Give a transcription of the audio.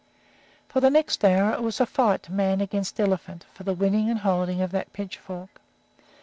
For the next hour it was a fight, man against elephant, for the winning and holding of that pitchfork.